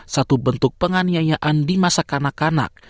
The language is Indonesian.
satu bentuk penganiayaan di masa kanak kanak